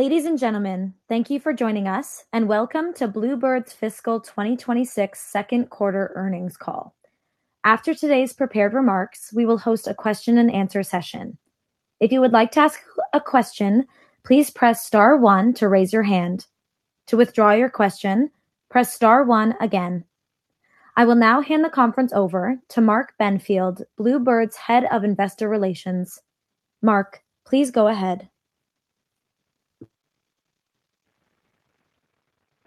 Ladies and gentlemen, thank you for joining us, and welcome to Blue Bird's fiscal 2026 second quarter earnings call. After today's prepared remarks, we will host a question and answer session if you would like to as a question please star one to raise your hand. To withdraw your question please press star one again. I will now hand the conference over to Mark Benfield, Blue Bird's Head of Investor Relations. Mark, please go ahead.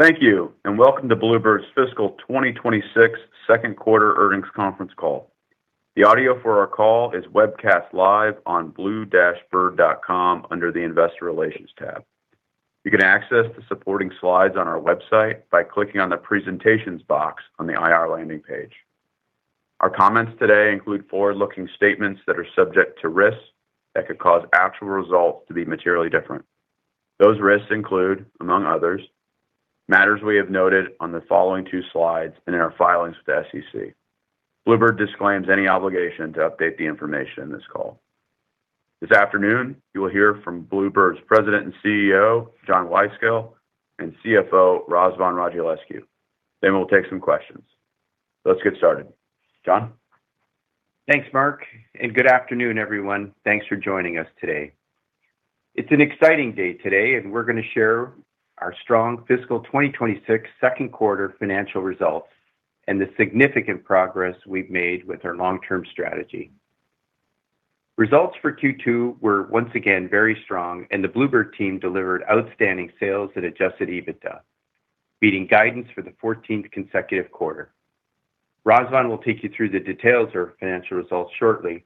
Thank you, and welcome to Blue Bird's Fiscal 2026 second quarter earnings conference call. The audio for our call is webcast live on blue-bird.com under the Investor Relations tab. You can access the supporting slides on our website by clicking on the Presentations box on the IR landing page. Our comments today include forward-looking statements that are subject to risks that could cause actual results to be materially different. Those risks include, among others, matters we have noted on the following two slides and in our filings with the SEC. Blue Bird disclaims any obligation to update the information in this call. This afternoon, you will hear from Blue Bird's President and CEO, John Wyskiel, and CFO, Razvan Radulescu. We'll take some questions. Let's get started. John? Thanks, Mark, and good afternoon, everyone. Thanks for joining us today. It's an exciting day today, and we're going to share our strong fiscal 2026 second quarter financial results and the significant progress we've made with our long-term strategy. Results for Q2 were once again very strong, and the Blue Bird team delivered outstanding sales at Adjusted EBITDA, beating guidance for the 14th consecutive quarter. Razvan will take you through the details of our financial results shortly,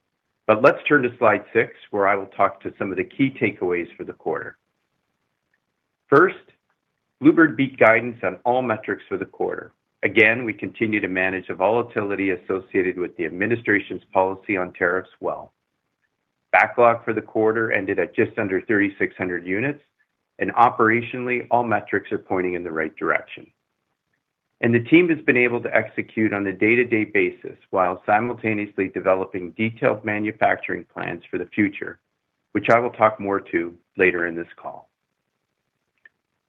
but let's turn to slide six where I will talk to some of the key takeaways for the quarter. First, Blue Bird beat guidance on all metrics for the quarter. Again, we continue to manage the volatility associated with the administration's policy on tariffs well. Backlog for the quarter ended at just under 3,600 units, and operationally, all metrics are pointing in the right direction. The team has been able to execute on a day-to-day basis while simultaneously developing detailed manufacturing plans for the future, which I will talk more to later in this call.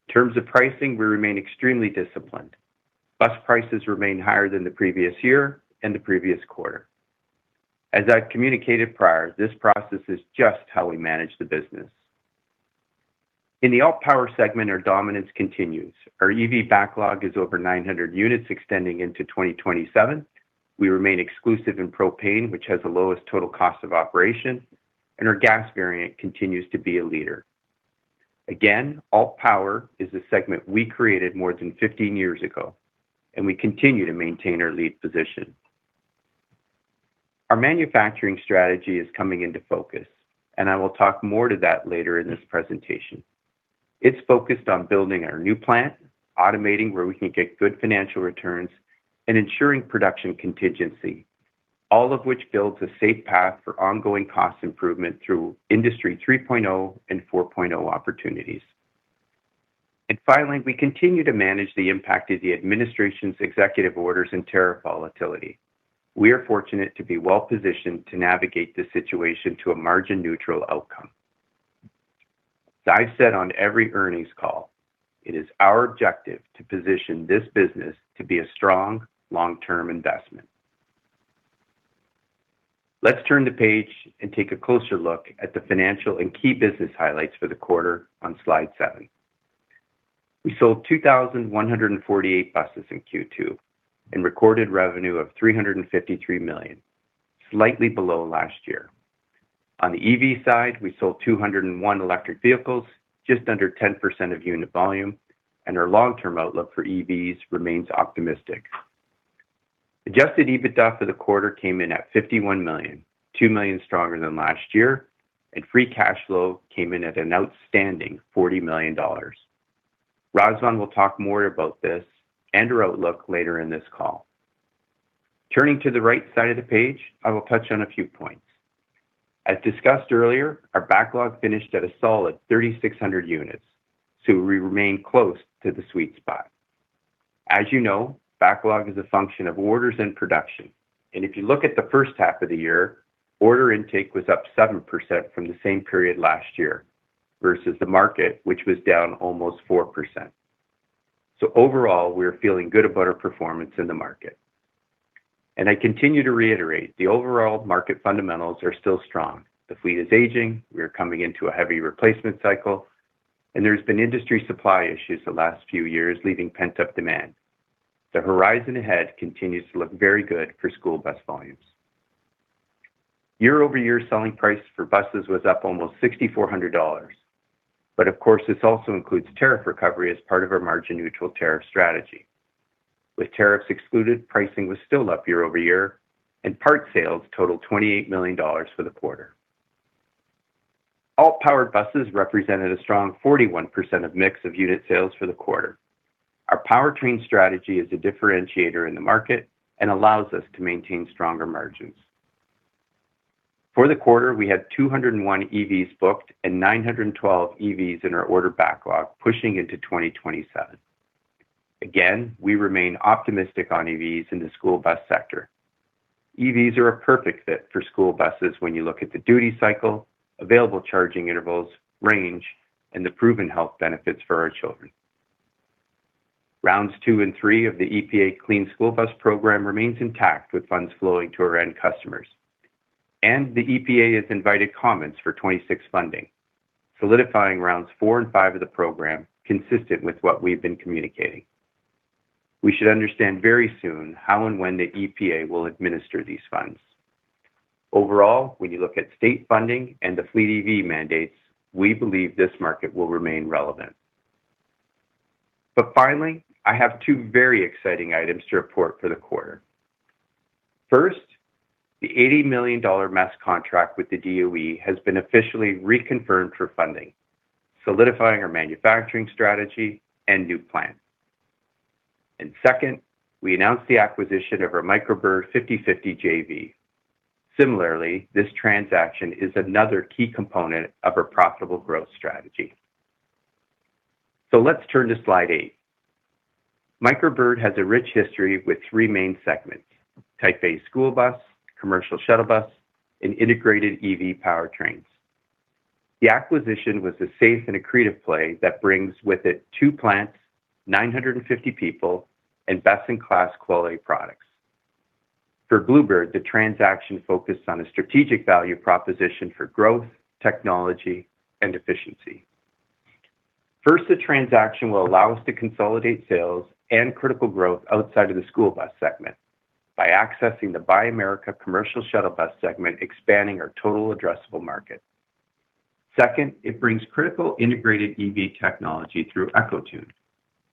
In terms of pricing, we remain extremely disciplined. Bus prices remain higher than the previous year and the previous quarter. As I've communicated prior this process is just how we manage the business. In the alt-power segment, our dominance continues. Our EV backlog is over 900 units extending into 2027, we remain exclusive in propane, which has the lowest total cost of operation, and our gas variant continues to be a leader. Again, alt-power is a segment we created more than 15 years ago, and we continue to maintain our lead position. Our manufacturing strategy is coming into focus, and I will talk more to that later in this presentation. It's focused on building our new plant, automating where we can get good financial returns, and ensuring production contingency, all of which builds a safe path for ongoing cost improvement through Industry 3.0 and 4.0 opportunities. Finally, we continue to manage the impact of the administration's executive orders and tariff volatility. We are fortunate to be well-positioned to navigate this situation to a margin-neutral outcome. As I've said on every earnings call, it is our objective to position this business to be a strong long-term investment. Let's turn the page and take a closer look at the financial and key business highlights for the quarter on slide seven. We sold 2,148 buses in Q2 and recorded revenue of $353 million, slightly below last year. On the EV side, we sold 201 electric vehicles, just under 10% of unit volume. Our long-term outlook for EVs remains optimistic. Adjusted EBITDA for the quarter came in at $51 million, $2 million stronger than last year. Free cash flow came in at an outstanding $40 million. Razvan will talk more about this and our outlook later in this call. Turning to the right side of the page, I will touch on a few points. As discussed earlier, our backlog finished at a solid 3,600 units. We remain close to the sweet spot. As you know, backlog is a function of orders and production. If you look at the first half of the year, order intake was up 7% from the same period last year versus the market, which was down almost 4%. Overall, we are feeling good about our performance in the market. I continue to reiterate, the overall market fundamentals are still strong. The fleet is aging, we are coming into a heavy replacement cycle, and there's been industry supply issues the last few years, leaving pent-up demand. The horizon ahead continues to look very good for school bus volumes. Year-over-year selling price for buses was up almost $6,400. Of course, this also includes tariff recovery as part of our margin neutral tariff strategy. With tariffs excluded, pricing was still up year-over-year and parts sales totaled $28 million for the quarter. Alt-powered buses represented a strong 41% of mix of unit sales for the quarter. Our powertrain strategy is a differentiator in the market and allows us to maintain stronger margins. For the quarter, we had 201 EVs booked and 912 EVs in our order backlog pushing into 2027. We remain optimistic on EVs in the school bus sector. EVs are a perfect fit for school buses when you look at the duty cycle, available charging intervals, range, and the proven health benefits for our children. Rounds two and three of the EPA Clean School Bus Program remains intact, with funds flowing to our end customers. The EPA has invited comments for 2026 funding, solidifying rounds four and five of the program consistent with what we've been communicating. We should understand very soon how and when the EPA will administer these funds. Overall, when you look at state funding and the fleet EV mandates, we believe this market will remain relevant. Finally, I have two very exciting items to report for the quarter. The $80 million MESC contract with the DOE has been officially reconfirmed for funding, solidifying our manufacturing strategy and new plan. Second, we announced the acquisition of our Micro Bird 50/50 JV. Similarly, this transaction is another key component of our profitable growth strategy. Let's turn to slide eight. Micro Bird has a rich history with three main segments: Type A school bus, commercial shuttle bus, and integrated EV powertrains. The acquisition was a safe and accretive play that brings with it two plants, 950 people, and best-in-class quality products. For Blue Bird, the transaction focused on a strategic value proposition for growth, technology, and efficiency. The transaction will allow us to consolidate sales and critical growth outside of the school bus segment by accessing the Buy America commercial shuttle bus segment, expanding our total addressable market. Second, it brings critical integrated EV technology through Ecotuned,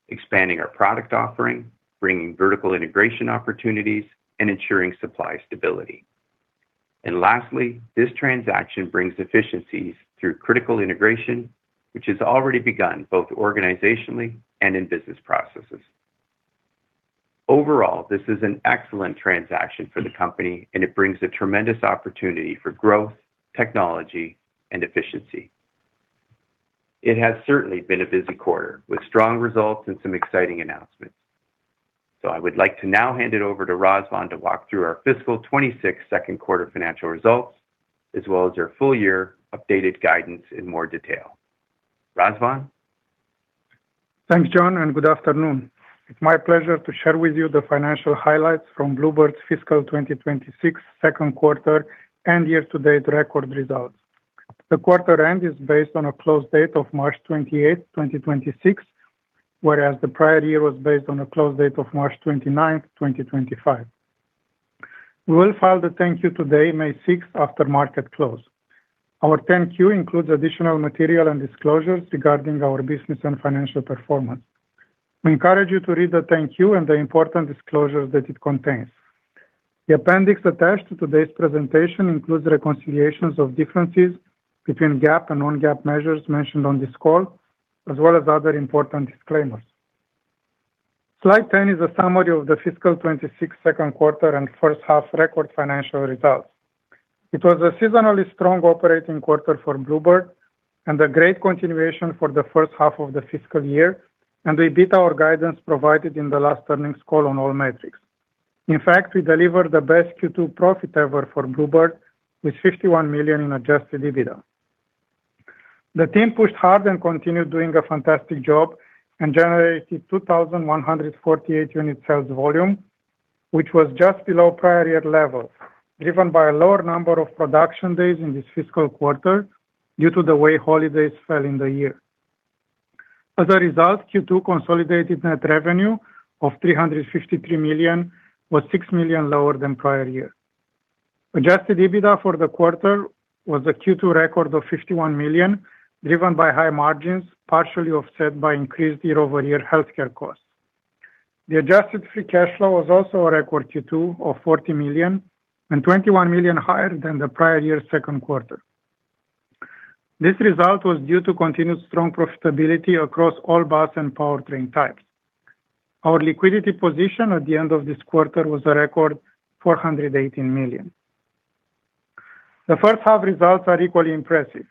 expanding our product offering, bringing vertical integration opportunities, and ensuring supply stability. Lastly, this transaction brings efficiencies through critical integration, which has already begun both organizationally and in business processes. Overall, this is an excellent transaction for the company, and it brings a tremendous opportunity for growth, technology, and efficiency. It has certainly been a busy quarter, with strong results and some exciting announcements. I would like to now hand it over to Razvan to walk through our fiscal 2026 second quarter financial results, as well as our full-year updated guidance in more detail. Razvan? Thanks, John, good afternoon. It's my pleasure to share with you the financial highlights from Blue Bird's fiscal 2026 second quarter and year-to-date record results. The quarter end is based on a close date of March 28, 2026, whereas the prior year was based on a close date of March 29, 2025. We will file the 10-Q today, May 6 after market close. Our 10-Q includes additional material and disclosures regarding our business and financial performance. We encourage you to read the 10-Q and the important disclosures that it contains. The appendix attached to today's presentation includes reconciliations of differences between GAAP and non-GAAP measures mentioned on this call, as well as other important disclaimers. Slide 10 is a summary of the fiscal 2026 second quarter and first half record financial results. It was a seasonally strong operating quarter for Blue Bird and a great continuation for the first half of the fiscal year. We beat our guidance provided in the last earnings call on all metrics. In fact, we delivered the best Q2 profit ever for Blue Bird with $51 million in Adjusted EBITDA. The team pushed hard and continued doing a fantastic job and generated 2,148 unit sales volume, which was just below prior year levels, driven by a lower number of production days in this fiscal quarter due to the way holidays fell in the year. As a result, Q2 consolidated net revenue of $353 million was $6 million lower than prior year. Adjusted EBITDA for the quarter was a Q2 record of $51 million, driven by high margins, partially offset by increased year-over-year healthcare costs. The adjusted free cash flow was also a record Q2 of $40 million and $21 million higher than the prior year's second quarter. This result was due to continued strong profitability across all bus and powertrain types. Our liquidity position at the end of this quarter was a record $418 million. The first half results are equally impressive.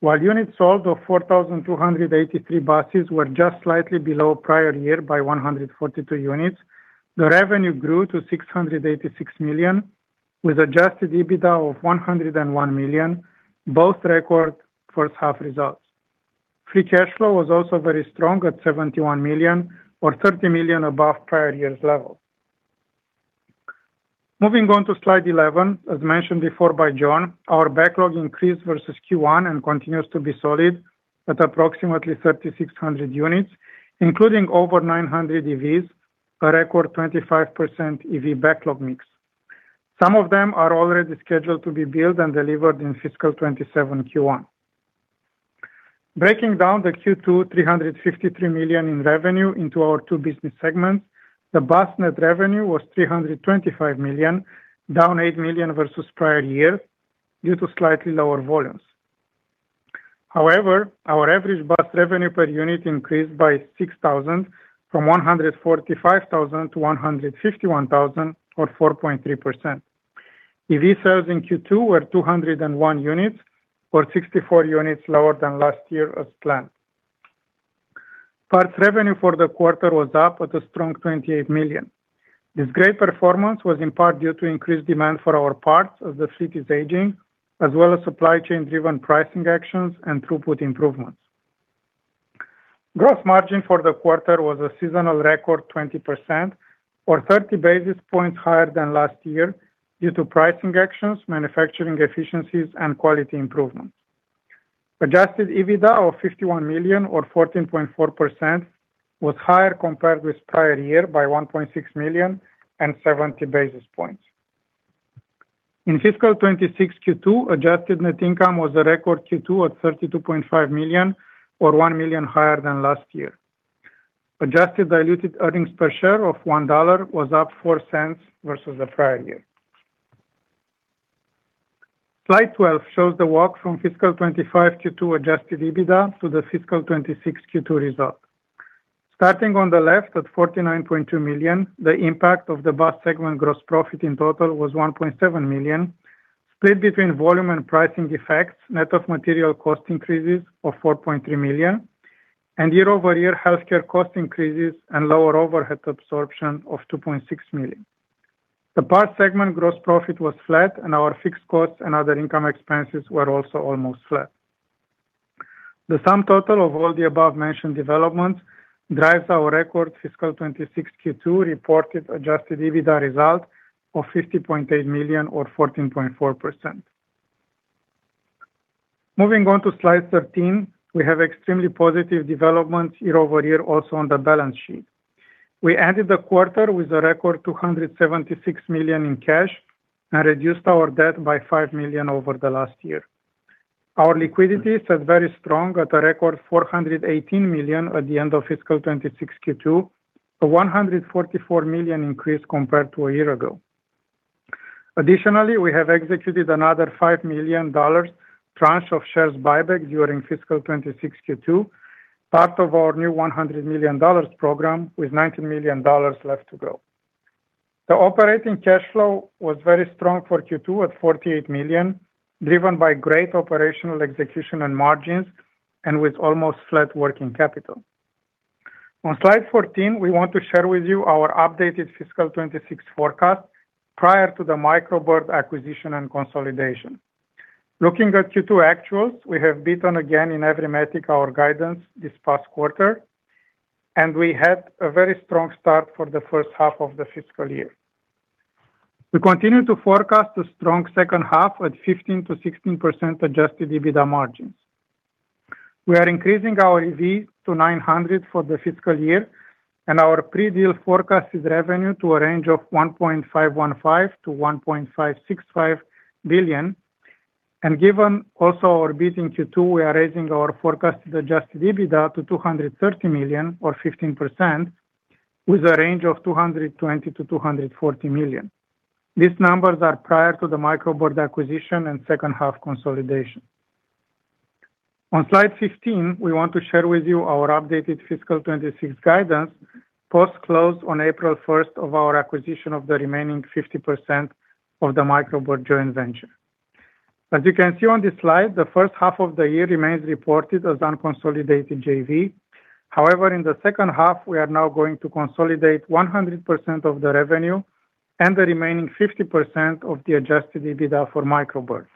While units sold of 4,283 buses were just slightly below prior year by 142 units, the revenue grew to $686 million, with adjusted EBITDA of $101 million, both record first half results. Free cash flow was also very strong at $71 million or $30 million above prior year's level. Moving on to slide 11, as mentioned before by John, our backlogs increased versus Q1 and continues to be solid at approximately 3,600 units, including over 900 EVs, a record 25% EV backlog mix. Some of them are already scheduled to be built and delivered in fiscal 2027 Q1. Breaking down the Q2 $353 million in revenue into our two business segments, the bus net revenue was $325 million, down $8 million versus prior year due to slightly lower volumes. Our average bus revenue per unit increased by $6,000 from $145,000 to $151,000 or 4.3%. EV sales in Q2 were 201 units or 64 units lower than last year as planned. Parts revenue for the quarter was up at a strong $28 million. This great performance was in part due to increased demand for our parts as the fleet is aging, as well as supply chain-driven pricing actions and throughput improvements. Gross margin for the quarter was a seasonal record 20% or 30 basis points higher than last year due to pricing actions, manufacturing efficiencies, and quality improvements. Adjusted EBITDA of $51 million or 14.4% was higher compared with prior year by $1.6 million and 70 basis points. In fiscal 2026 Q2, adjusted net income was a record Q2 at $32.5 million or $1 million higher than last year. Adjusted diluted earnings per share of $1 was up $0.04 versus the prior year. Slide 12 shows the walk from fiscal 2025 Q2 Adjusted EBITDA to the fiscal 2026 Q2 result. Starting on the left at $49.2 million, the impact of the bus segment gross profit in total was $1.7 million, split between volume and pricing effects, net of material cost increases of $4.3 million and year-over-year healthcare cost increases and lower overhead absorption of $2.6 million. The parts segment gross profit was flat and our fixed costs and other income expenses were also almost flat. The sum total of all the above-mentioned developments drives our record fiscal 2026 Q2 reported Adjusted EBITDA result of $50.8 million or 14.4%. Moving on to slide 13, we have extremely positive developments year-over-year also on the balance sheet. We ended the quarter with a record $276 million in cash and reduced our debt by $5 million over the last year. Our liquidity stood very strong at a record $418 million at the end of fiscal 2026 Q2, a $144 million increase compared to a year ago. Additionally, we have executed another $5 million tranche of shares buyback during fiscal 2026 Q2, part of our new $100 million program with $90 million left to go. The operating cash flow was very strong for Q2 at $48 million, driven by great operational execution and margins and with almost flat working capital. On slide 14, we want to share with you our updated fiscal 2026 forecast prior to the Micro Bird acquisition and consolidation. Looking at Q2 actuals, we have beaten again in every metric our guidance this past quarter, and we had a very strong start for the first half of the fiscal year. We continue to forecast a strong second half at 15%-16% Adjusted EBITDA margins. We are increasing our EV to 900 for the fiscal year and our pre-deal forecasted revenue to a range of $1.515 billion-$1.565 billion. Given also our beat in Q2, we are raising our forecasted Adjusted EBITDA to $230 million or 15% with a range of $220 million-$240 million. These numbers are prior to the Micro Bird acquisition and second half consolidation. On slide 15, we want to share with you our updated fiscal 2026 guidance, post-close on April 1st of our acquisition of the remaining 50% of the Micro Bird joint venture. As you can see on this slide, the first half of the year remains reported as unconsolidated JV. However, in the second half we are now going to consolidate 100% of the revenue and the remaining 50% of the Adjusted EBITDA for Micro Bird.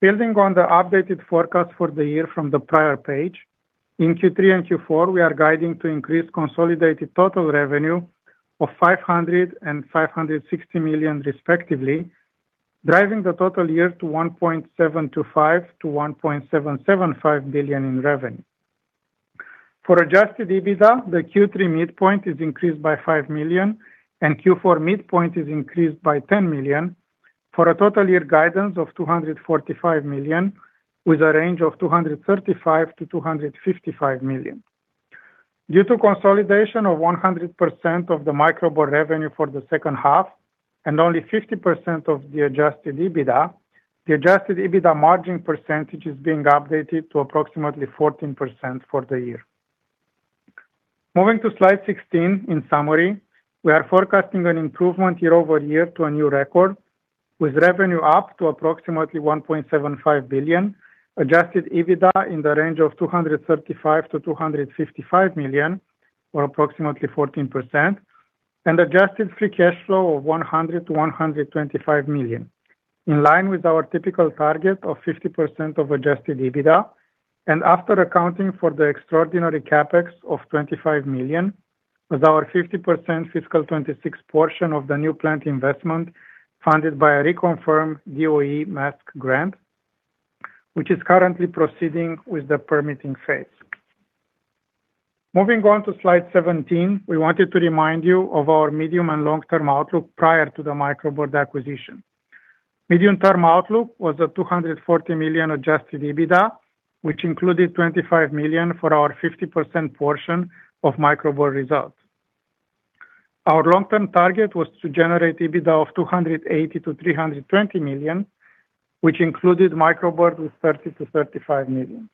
Building on the updated forecast for the year from the prior page, in Q3 and Q4, we are guiding to increase consolidated total revenue of $500 million and $560 million respectively, driving the total year to $1.725 billion-$1.775 billion in revenue. For Adjusted EBITDA, the Q3 midpoint is increased by $5 million, and Q4 midpoint is increased by $10 million for a total year guidance of $245 million with a range of $235 million-$255 million. Due to consolidation of 100% of the Micro Bird revenue for the second half and only 50% of the Adjusted EBITDA, the Adjusted EBITDA margin percentage is being updated to approximately 14% for the year. Moving to slide 16, in summary, we are forecasting an improvement year-over-year to a new record with revenue up to approximately $1.75 billion, Adjusted EBITDA in the range of $235 million-$255 million or approximately 14%, and adjusted free cash flow of $100 million-$125 million. In line with our typical target of 50% of Adjusted EBITDA and after accounting for the extraordinary CapEx of $25 million with our 50% fiscal 2026 portion of the new plant investment funded by a reconfirmed DOE MESC grant, which is currently proceeding with the permitting phase. Moving on to slide 17, we wanted to remind you of our medium and long-term outlook prior to the Micro Bird acquisition. Medium-term outlook was a $240 million Adjusted EBITDA, which included $25 million for our 50% portion of Micro Bird results. Our long-term target was to generate EBITDA of $280 million-$320 million, which included Micro Bird with $30 million-$35 million.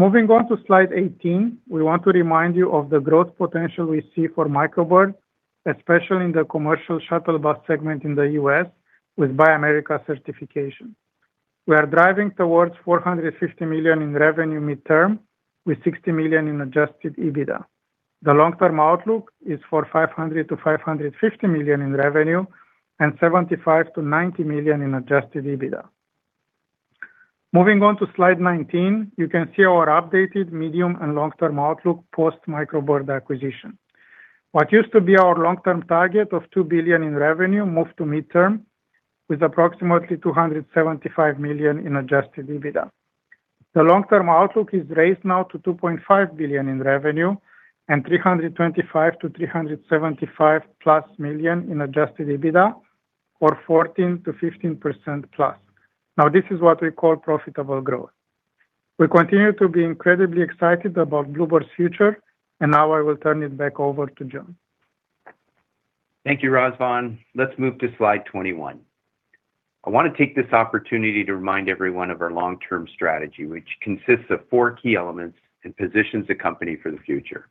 Moving on to slide 18, we want to remind you of the growth potential we see for Micro Bird, especially in the commercial shuttle bus segment in the U.S. with Buy America certification. We are driving towards $450 million in revenue midterm with $60 million in Adjusted EBITDA. The long-term outlook is for $500 million-$550 million in revenue and $75 million-$90 million in Adjusted EBITDA. Moving on to slide 19, you can see our updated medium and long-term outlook post Micro Bird acquisition. What used to be our long-term target of $2 billion in revenue moved to midterm with approximately $275 million in adjusted EBITDA. The long-term outlook is raised now to $2.5 billion in revenue and $325 million-$375+ million in adjusted EBITDA or 14%-15%+. This is what we call profitable growth. We continue to be incredibly excited about Blue Bird's future, and now I will turn it back over to John. Thank you, Razvan. Let's move to slide 21. I want to take this opportunity to remind everyone of our long-term strategy, which consists of four key elements and positions the company for the future.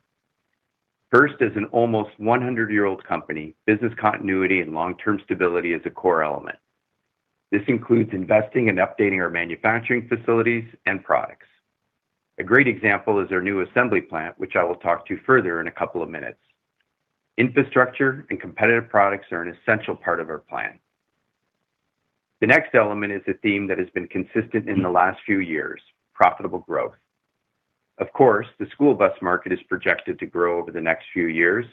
First, as an almost 100 year old company, business continuity and long-term stability is a core element. This includes investing and updating our manufacturing facilities and products. A great example is our new assembly plant, which I will talk to further in a couple of minutes. Infrastructure and competitive products are an essential part of our plan. The next element is a theme that has been consistent in the last few years, profitable growth. Of course, the school bus market is projected to grow over the next few years,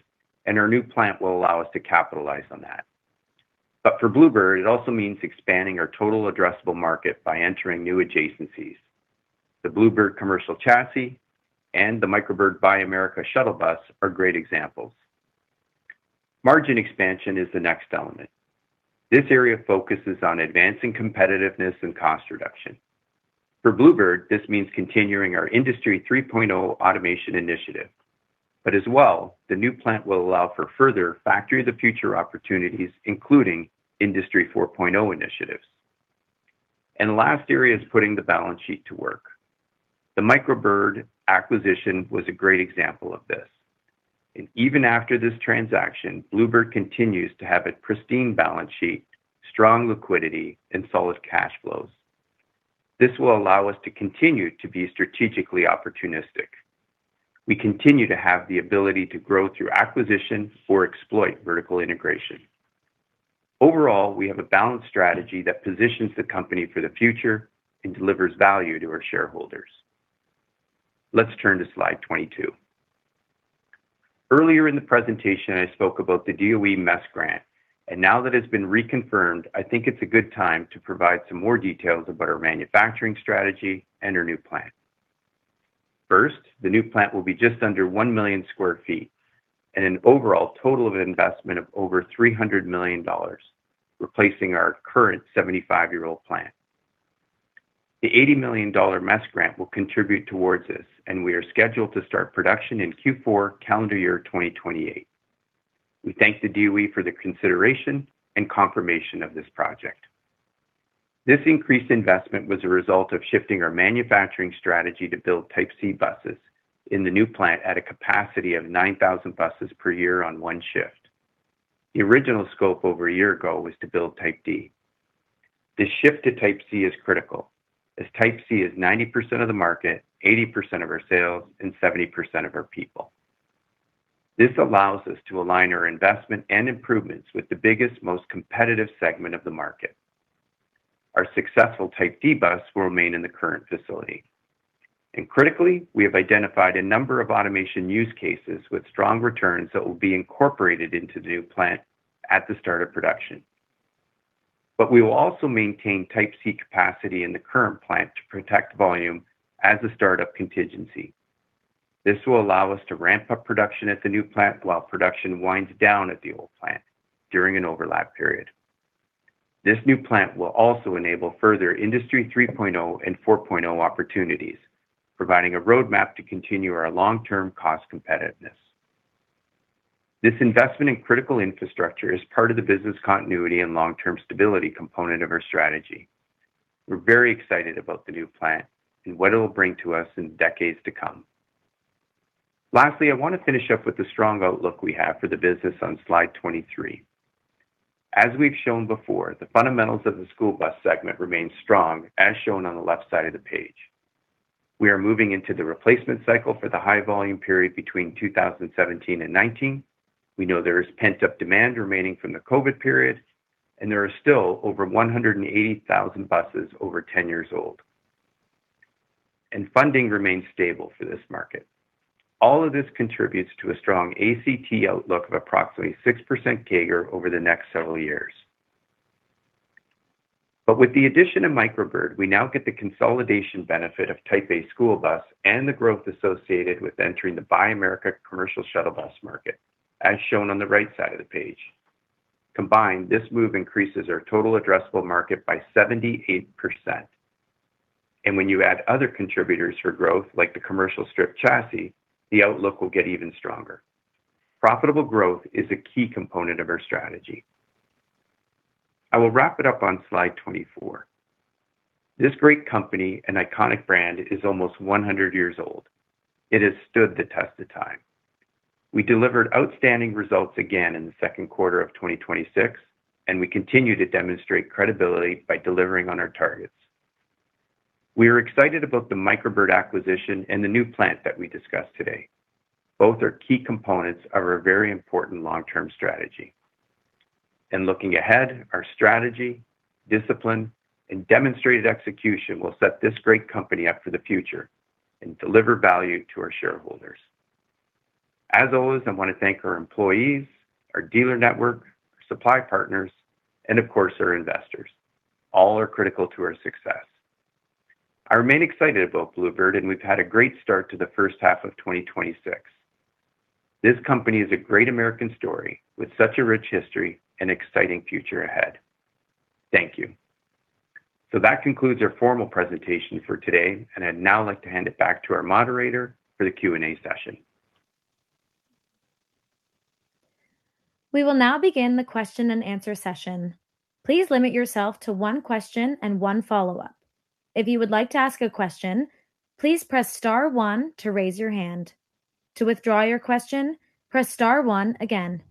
and our new plant will allow us to capitalize on that. For Blue Bird, it also means expanding our total addressable market by entering new adjacencies. The Blue Bird commercial chassis and the Micro Bird Buy America shuttle bus are great examples. Margin expansion is the next element. This area focuses on advancing competitiveness and cost reduction. For Blue Bird, this means continuing our Industry 3.0 automation initiative. As well, the new plant will allow for further factory of the future opportunities, including Industry 4.0 initiatives. The last area is putting the balance sheet to work. The Micro Bird acquisition was a great example of this. Even after this transaction, Blue Bird continues to have a pristine balance sheet, strong liquidity, and solid cash flows. This will allow us to continue to be strategically opportunistic. We continue to have the ability to grow through acquisition or exploit vertical integration. Overall, we have a balanced strategy that positions the company for the future and delivers value to our shareholders. Let's turn to slide 22. Earlier in the presentation, I spoke about the DOE MESC grant. Now that it's been reconfirmed, I think it's a good time to provide some more details about our manufacturing strategy and our new plant. First, the new plant will be just under 1 million sq ft and an overall total of investment of over $300 million, replacing our current 75 year old plant. The $80 million MESC grant will contribute towards this. We are scheduled to start production in Q4 calendar year 2028. We thank the DOE for the consideration and confirmation of this project. This increased investment was a result of shifting our manufacturing strategy to build Type C buses in the new plant at a capacity of 9,000 buses per year on 1 shift. The original scope over a year ago was to build Type D. The shift to Type C is critical, as Type C is 90% of the market, 80% of our sales, and 70% of our people. This allows us to align our investment and improvements with the biggest, most competitive segment of the market. Our successful Type D bus will remain in the current facility. Critically, we have identified a number of automation use cases with strong returns that will be incorporated into the new plant at the start of production. We will also maintain Type C capacity in the current plant to protect volume as a startup contingency. This will allow us to ramp up production at the new plant while production winds down at the old plant during an overlap period. This new plant will also enable further Industry 3.0 and 4.0 opportunities, providing a roadmap to continue our long-term cost competitiveness. This investment in critical infrastructure is part of the business continuity and long-term stability component of our strategy. We're very excited about the new plant and what it will bring to us in decades to come. I want to finish up with the strong outlook we have for the business on slide 23. As we've shown before, the fundamentals of the school bus segment remain strong as shown on the left side of the page. We are moving into the replacement cycle for the high volume period between 2017 and 2019. We know there is pent-up demand remaining from the COVID period, there are still over 180,000 buses over 10 years old. Funding remains stable for this market. All of this contributes to a strong ACT outlook of approximately 6% CAGR over the next several years. With the addition of Micro Bird, we now get the consolidation benefit of Type A school bus and the growth associated with entering the Buy America commercial shuttle bus market, as shown on the right side of the page. Combined, this move increases our total addressable market by 78%. When you add other contributors for growth, like the commercial stripped chassis, the outlook will get even stronger. Profitable growth is a key component of our strategy. I will wrap it up on slide 24. This great company and iconic brand is almost 100 years old. It has stood the test of time. We delivered outstanding results again in the second quarter of 2026, and we continue to demonstrate credibility by delivering on our targets. We are excited about the Micro Bird acquisition and the new plant that we discussed today. Both are key components of our very important long-term strategy. Looking ahead, our strategy, discipline, and demonstrated execution will set this great company up for the future and deliver value to our shareholders. As always, I want to thank our employees, our dealer network, our supply partners, and of course, our investors. All are critical to our success. I remain excited about Blue Bird, and we've had a great start to the first half of 2026. This company is a great American story with such a rich history and exciting future ahead. Thank you. That concludes our formal presentation for today, and I'd now like to hand it back to our moderator for the Q&A session. We will now begin the question and answer session. Please limit yourself to one question and one follow-up. If you would like to ask a question, please press star one to raise your hand. To withdraw your question, press star one again.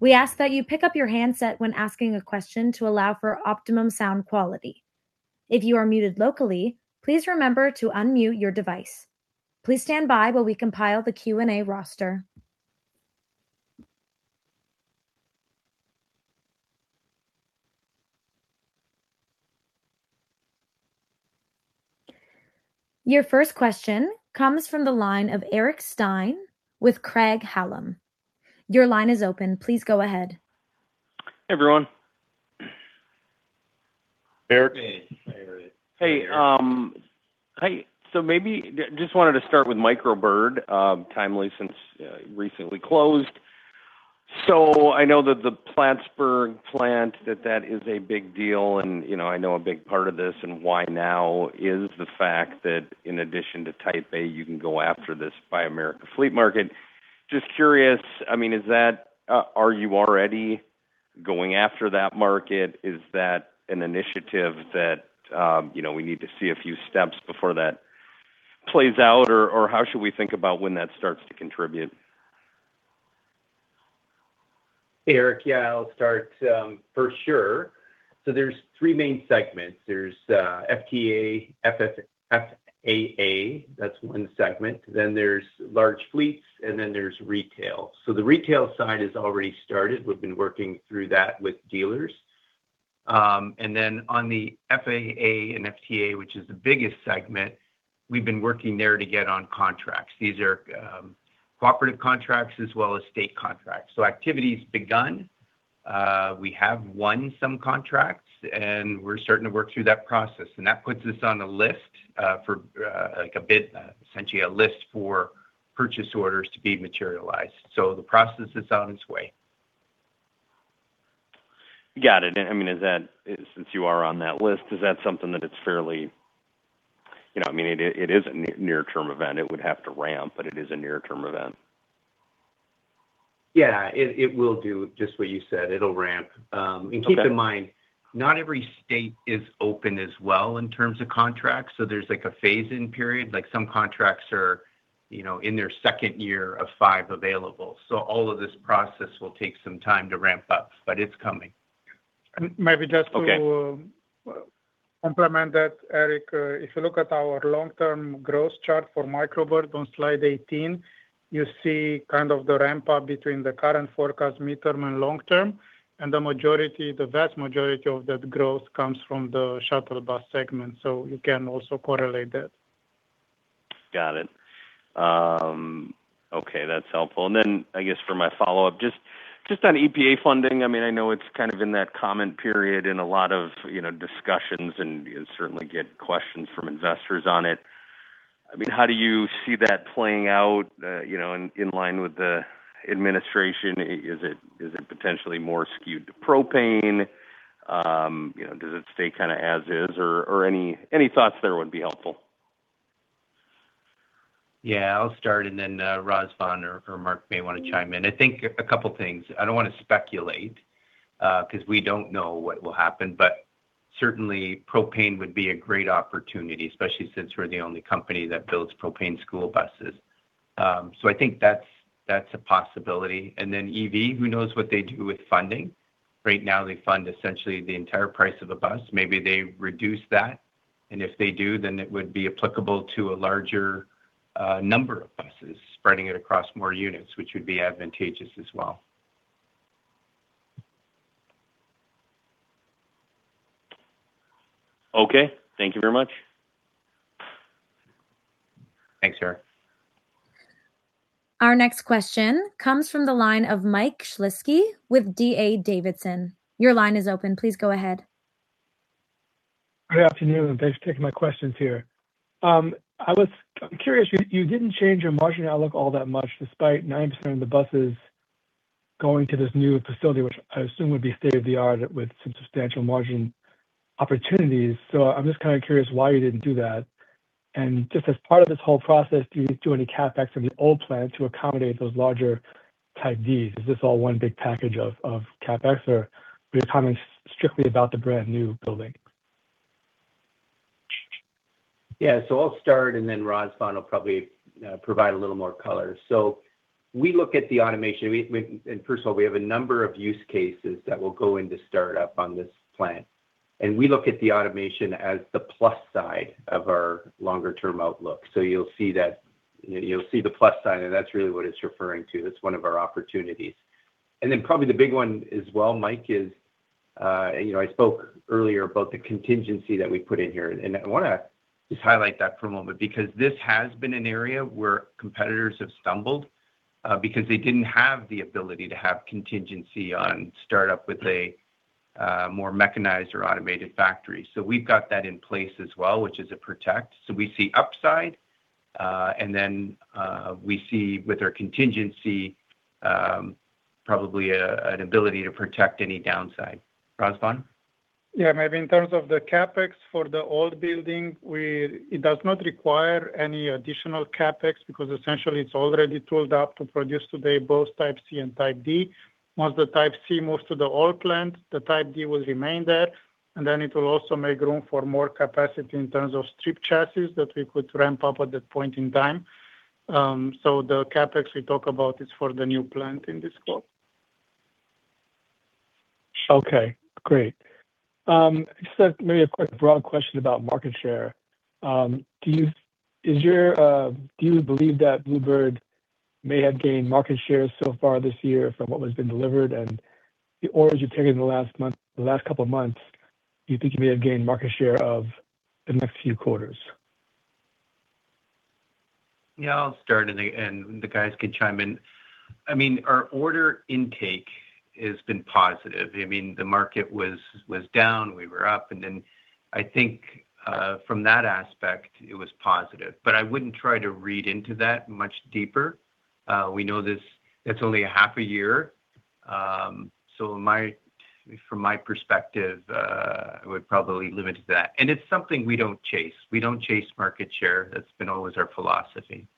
We ask that you pick up your handset when asking a question to allow for optimum sound quality. If you are muted locally, please remember to unmute your device. Please stand by while we compile the Q&A roster. Your first question comes from the line of Eric Stine with Craig-Hallum. Your line is open. Please go ahead. Hey, everyone. Eric. Hey, hi. Maybe just wanted to start with Micro Bird, timely since it recently closed. I know that the Plattsburgh plant, that that is a big deal and, you know, I know a big part of this and why now is the fact that in addition to Type A, you can go after this Buy America fleet market. Just curious, I mean, is that, are you already going after that market? Is that an initiative that, you know, we need to see a few steps before that plays out? Or, how should we think about when that starts to contribute? Eric, I'll start, for sure. There's three main segments. There's FTA, FAA that's one segment. There's large fleets, there's retail. The retail side is already started. We've been working through that with dealers. On the FAA and FTA, which is the biggest segment, we've been working there to get on contracts. These are cooperative contracts as well as state contracts. Activity's begun. We have won some contracts, we're starting to work through that process. That puts us on a list for like a bid, essentially a list for purchase orders to be materialized. The process is on its way. Got it. I mean, is that, since you are on that list, is that something that it's fairly, you know, I mean, it is a near-term event? It would have to ramp, but it is a near-term event. Yeah. It will do just what you said. It'll ramp. Okay. Keep in mind, not every state is open as well in terms of contracts. There's like a phase-in period. Like, some contracts are, you know, in their second year of five available. All of this process will take some time to ramp up, but it's coming. Maybe just to. Okay implement that, Eric. If you look at our long-term growth chart for Micro Bird on slide 18, you see kind of the ramp-up between the current forecast midterm and long term. The vast majority of that growth comes from the shuttle bus segment. You can also correlate that. Got it. Okay, that's helpful. I guess for my follow-up, just on EPA funding, I mean, I know it's kind of in that comment period and a lot of, you know, discussions and you certainly get questions from investors on it. I mean, how do you see that playing out, you know, in line with the administration? Is it potentially more skewed to propane? You know, does it stay kind of as is or any thoughts there would be helpful. I'll start and then Razvan or Mark may want to chime in. I think a couple things. I don't want to speculate 'cause we don't know what will happen, certainly propane would be a great opportunity, especially since we're the only company that builds propane school buses. I think that's a possibility. EV, who knows what they do with funding. Right now they fund essentially the entire price of a bus. Maybe they reduce that, if they do, then it would be applicable to a larger number of buses, spreading it across more units, which would be advantageous as well. Okay. Thank you very much. Thanks, Eric. Our next question comes from the line of Michael Shlisky with D.A. Davidson. Your line is open. Please go ahead. Good afternoon. Thanks for taking my questions here. I'm curious, you didn't change your margin outlook all that much despite 9% of the buses going to this new facility, which I assume would be state-of-the-art with some substantial margin opportunities. I'm just kind of curious why you didn't do that. Just as part of this whole process, do you do any CapEx from the old plant to accommodate those larger Type Ds? Is this all one big package of CapEx, or you're talking strictly about the brand-new building? Yeah. I'll start, and then Razvan will probably provide a little more color. We look at the automation. First of all, we have a number of use cases that will go into start-up on this plant. We look at the automation as the plus side of our longer term outlook. You'll see that You'll see the plus side, and that's really what it's referring to. That's one of our opportunities. Probably the big one as well, Mike, is, you know, I spoke earlier about the contingency that we put in here. I wanna just highlight that for a moment because this has been an area where competitors have stumbled because they didn't have the ability to have contingency on start-up with a more mechanized or automated factory. We've got that in place as well, which is a protect. We see upside, and then, we see with our contingency, probably an ability to protect any downside. Razvan? Maybe in terms of the CapEx for the old building, it does not require any additional CapEx because essentially it's already tooled up to produce today both Type C and Type D. Once the Type C moves to the old plant, the Type D will remain there, and then it will also make room for more capacity in terms of stripped chassis that we could ramp up at that point in time. The CapEx we talk about is for the new plant in this call. Okay, great. Just maybe a quick broad question about market share. Do you believe that Blue Bird may have gained market share so far this year from what has been delivered and the orders you've taken in the last month, the last couple of months, do you think you may have gained market share of the next few quarters? I'll start and the guys can chime in. I mean, our order intake has been positive. I mean, the market was down, we were up, and then I think from that aspect it was positive. I wouldn't try to read into that much deeper. We know this, it's only a half a year. From my perspective, I would probably limit it to that. It's something we don't chase. We don't chase market share. That's been always our philosophy.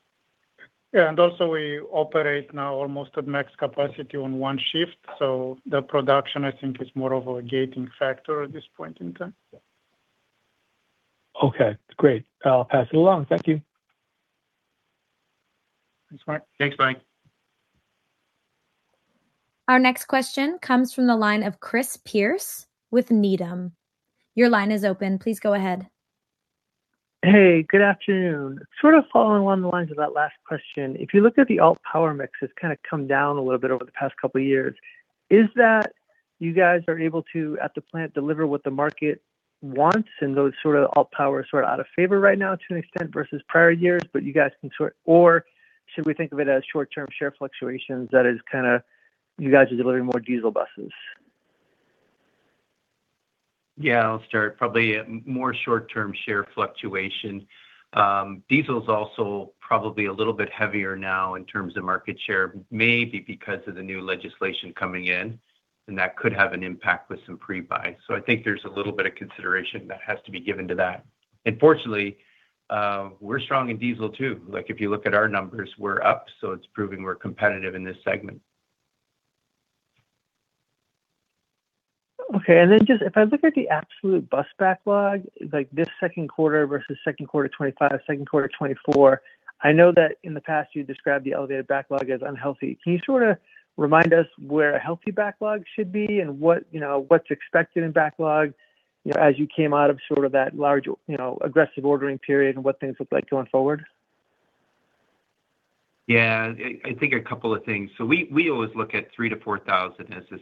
Also we operate now almost at max capacity on one shift, so the production, I think, is more of a gating factor at this point in time. Okay, great. I'll pass it along. Thank you. Thanks, Mike. Thanks, Mike. Our next question comes from the line of Chris Pierce with Needham. Your line is open. Please go ahead. Hey, good afternoon. Sort of following along the lines of that last question, if you look at the alt-power mix, it's kinda come down a little bit over the past couple of years. Is that you guys are able to, at the plant, deliver what the market wants and those sort of alt-power sort of out of favor right now to an extent versus prior years, or should we think of it as short-term share fluctuations that is kinda you guys are delivering more diesel buses? Yeah, I'll start. Probably more short-term share fluctuation. diesel's also probably a little bit heavier now in terms of market share, maybe because of the new legislation coming in, and that could have an impact with some pre-buy. I think there's a little bit of consideration that has to be given to that. Fortunately, we're strong in diesel too. Like, if you look at our numbers, we're up, so it's proving we're competitive in this segment. Okay. Just if I look at the absolute bus backlog, like this second quarter versus second quarter 2025, second quarter 2024, I know that in the past you described the elevated backlog as unhealthy. Can you sort of remind us where a healthy backlog should be and what, you know, what's expected in backlog, you know, as you came out of sort of that large, you know, aggressive ordering period and what things look like going forward? Yeah. I think a couple of things. We always look at 3,000 to 4,000 as the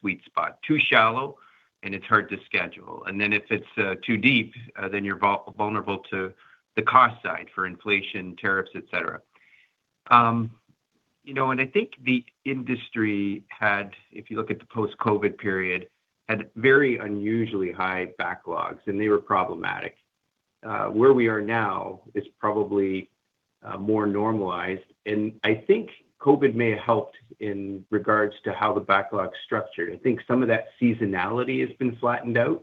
sweet spot. Too shallow, it's hard to schedule. If it's too deep, then you're vulnerable to the cost side for inflation, tariffs, et cetera. You know, I think the industry had, if you look at the post-COVID period, had very unusually high backlogs, and they were problematic. Where we are now is probably more normalized. I think COVID may have helped in regards to how the backlog's structured. I think some of that seasonality has been flattened out,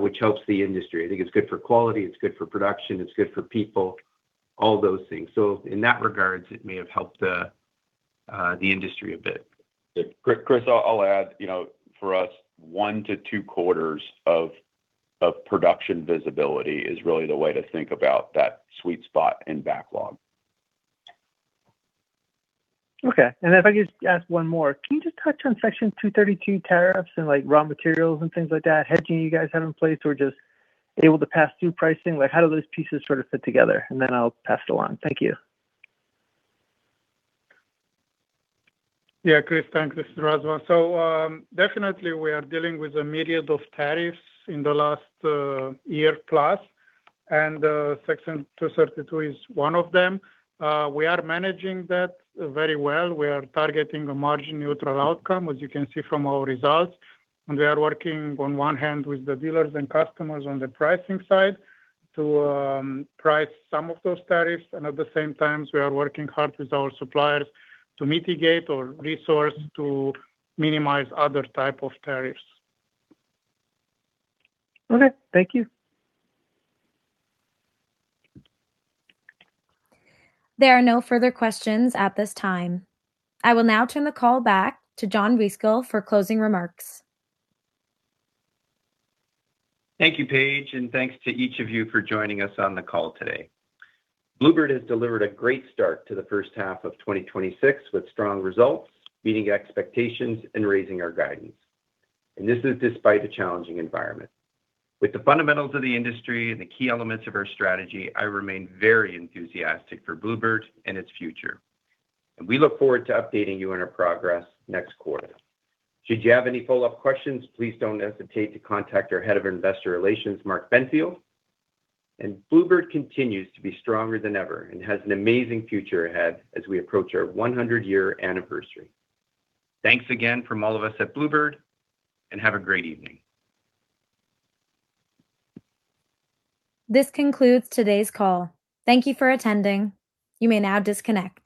which helps the industry. I think it's good for quality, it's good for production, it's good for people, all those things. In that regards, it may have helped the industry a bit. Chris Pierce, I'll add, you know, for us, one to two quarters of production visibility is really the way to think about that sweet spot in backlog. Okay. If I could just ask one more. Can you just touch on Section 232 tariffs and like raw materials and things like that, hedging you guys have in place or just able to pass through pricing? Like, how do those pieces sort of fit together? I'll pass it along. Thank you. Chris. Thanks, Chris. Razvan. Definitely we are dealing with a myriad of tariffs in the last year plus. Section 232 is one of them. We are managing that very well. We are targeting a margin neutral outcome, as you can see from our results. We are working on one hand with the dealers and customers on the pricing side to price some of those tariffs, and at the same time, we are working hard with our suppliers to mitigate or resource to minimize other type of tariffs. Okay. Thank you. There are no further questions at this time. I will now turn the call back to John Wyskiel for closing remarks. Thank you, Paige. Thanks to each of you for joining us on the call today. Blue Bird has delivered a great start to the first half of 2026 with strong results, meeting expectations and raising our guidance. This is despite a challenging environment. With the fundamentals of the industry and the key elements of our strategy, I remain very enthusiastic for Blue Bird and its future. We look forward to updating you on our progress next quarter. Should you have any follow-up questions, please don't hesitate to contact our Head of Investor Relations, Mark Benfield. Blue Bird continues to be stronger than ever and has an amazing future ahead as we approach our 100-year anniversary. Thanks again from all of us at Blue Bird and have a great evening. This concludes today's call. Thank you for attending. You may now disconnect.